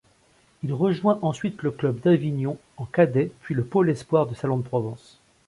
Il rejoint ensuite le club d'Avignon en cadets puis le pôle espoirs de Salon-de-Provence.